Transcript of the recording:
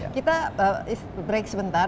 kita break sebentar